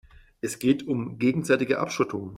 Es geht um gegenseitige Abschottung.